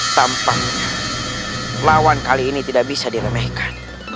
tampaknya lawan kali ini tidak bisa diremehkan